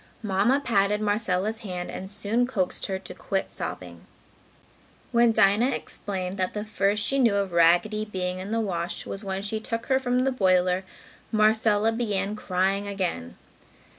Mamma patted Marcella's hand and soon coaxed her to quit sobbing. When Dinah explained that the first she knew of Raggedy being in the wash was when she took her from the boiler, Marcella began crying again.